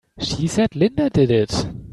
She said Linda did it!